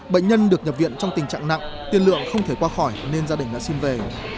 bệnh nhân được nhập viện trong tình trạng nặng tiên lượng không thể qua khỏi nên gia đình đã xin về